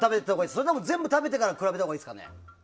それとも全部食べてから比べたほうがいいですかね？